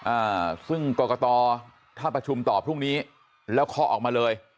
อ่าซึ่งกรกตถ้าประชุมต่อพรุ่งนี้แล้วเคาะออกมาเลย